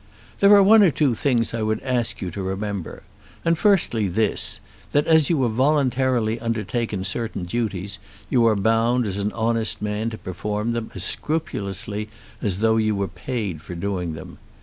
There are one or two things I would ask you to remember; and firstly this, that as you have voluntarily undertaken certain duties you are bound as an honest man to perform them as scrupulously as though you were paid for doing them.